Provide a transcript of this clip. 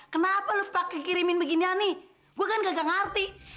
kenapa lu pake kirimin beginian nih gua kan gagak ngerti